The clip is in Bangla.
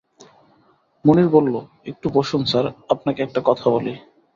মুনির বলল, একটু বসুন স্যার, আপনাকে একটা কথা বলি।